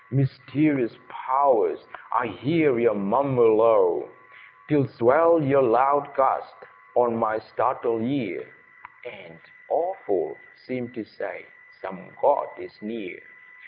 Mysterious pow'rs! I hear ye murmur low, Till swells your loud gust on my startled ear, And, awful! seems to say—some God is near!